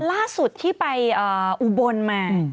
ล่าสุดที่ไปอุบลมา